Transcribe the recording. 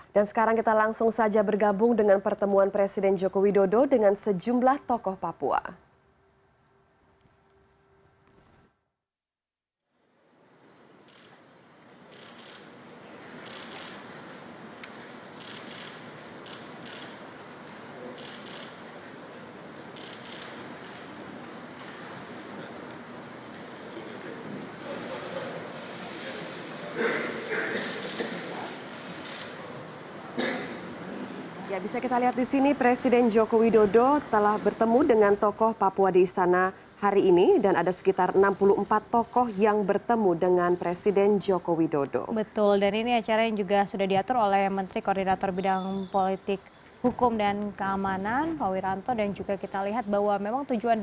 dan sekarang kita langsung saja bergabung dengan pertemuan presiden joko widodo dengan sejumlah tokoh papua